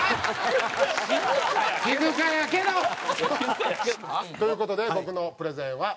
静かやけど！という事で僕のプレゼンは以上です。